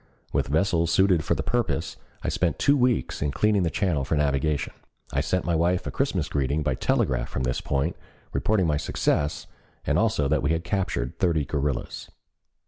With vessels suited for the purpose, I spent two weeks in cleaning the channel for navigation. I sent my wife a Christmas greeting by telegraph from this point, reporting my success, and also that we had captured thirty guerrillas.